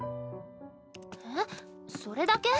えっそれだけ？